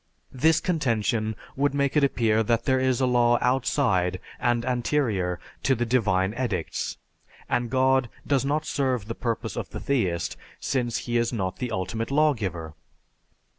This contention would make it appear that there is a law outside and anterior to the divine edicts, and God does not serve the purpose of the theist since he is not the ultimate lawgiver.